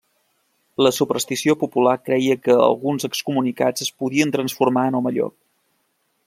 La superstició popular creia que alguns excomunicats es podien transformar en home llop.